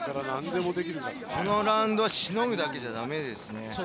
このラウンドはしのぐだけじゃだめですね。